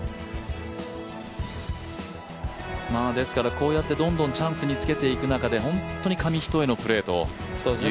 こうやってどんどんチャンスにつけていく中で本当に紙一重のプレーというパットでしたね。